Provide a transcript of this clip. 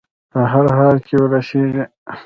په هر حال کې وررسېږي.